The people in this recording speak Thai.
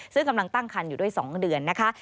ซึ่งกำลังตั้งคันอยู่ด้วย๒เดือนนะคะ